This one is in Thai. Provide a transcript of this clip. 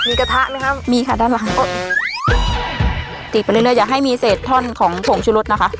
มีกระทะไหมคะมีค่ะด้านหลังตีบไปเรื่อยอย่าให้มีเศษท่อนของผงชุรสนะคะ